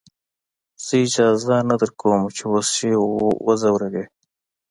زه اجازه نه درکم چې اوس يې وځورې.